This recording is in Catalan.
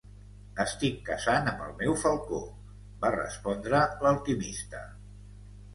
"Estic caçant amb el meu falcó", va respondre l'alquimista.